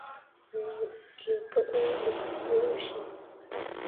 Nii bo kǝǝ pu yah be yo ceɓ.